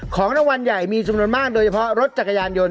ของรางวัลใหญ่มีจำนวนมากโดยเฉพาะรถจักรยานยนต